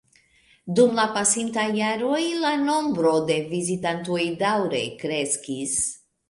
Dum la pasintaj jaroj la nombro de vizitantoj daŭre kreskis.